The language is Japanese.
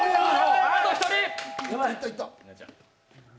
あと１人。